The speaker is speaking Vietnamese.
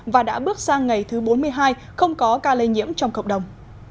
và đã bước sang ngày thứ bốn mươi hai không có ca lây nhiễm trong cộng đồng